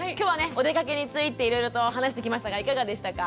おでかけについていろいろと話してきましたがいかがでしたか？